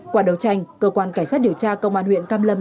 qua đấu tranh cơ quan cảnh sát điều tra công an huyện cam lâm